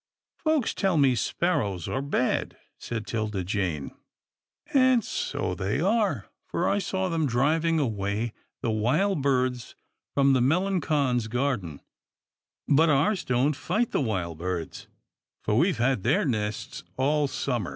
" Folks tell me sparrows are bad," said 'Tilda Jane, " and so they are, for I saw them driving away the wild birds from the Melanqons' garden, but ours don't fight the wild birds, for we've had their nests all summer."